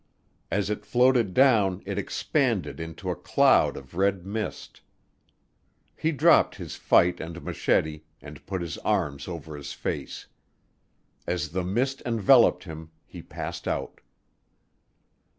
As it floated down it expanded into a cloud of red mist. He dropped his fight and machete, and put his arms over his face. As the mist enveloped him, he passed out.